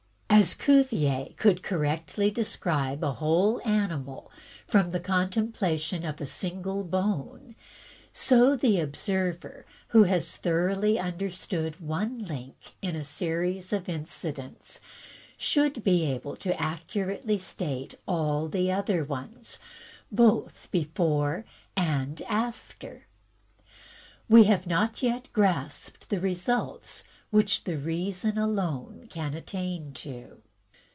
As Cuvier could correctly describe a whole animal by the contemplation of a single bone, so the observer who has thoroughly understood one link in a series of incidents, should be able to accurately state all the other ones, both before and after. We have not yet grasped the results which the reason alone THE RATIONALE OF RATIOCINATION 1 25 can attain to.